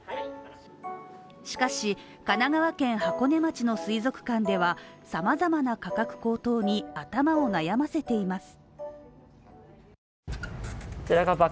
しかし、神奈川県箱根町の水族館ではさまざまな価格高騰に頭を悩ませています。